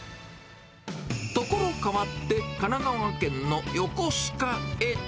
所変わって、神奈川県の横須賀へ。